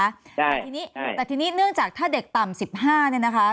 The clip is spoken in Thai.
ใช่ใช่แต่ทีนี้เนื่องจากถ้าเด็กต่ำสิบห้าเนี่ยนะคะ